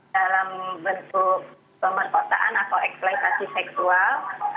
dalam bentuk pemerkosaan atau eksploitasi seksual